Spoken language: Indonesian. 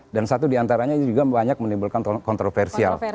dan satu diantaranya juga banyak menimbulkan kontroversial